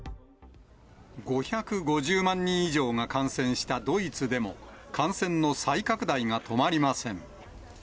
５５０万人以上が感染したドイツでも、感染の再拡大が止まりません。